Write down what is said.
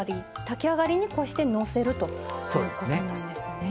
炊き上がりにこうしてのせるということなんですね。